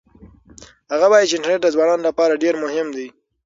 هغه وایي چې انټرنيټ د ځوانانو لپاره ډېر مهم دی.